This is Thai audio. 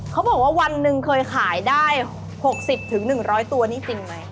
เขาบอกว่าวันหนึ่งเคยขายได้๖๐๑๐๐ตัวนี่จริงไหม